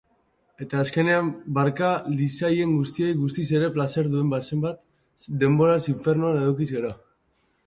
eta azkenean barka liezaien guztiei, guztiz ere, plazer duen bezanbat denboraz ifernuan edukiz gero